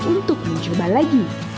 untuk mencoba lagi